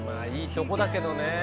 いいとこだけどね。